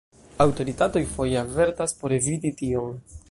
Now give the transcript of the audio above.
Aŭtoritatoj foje avertas por eviti tion.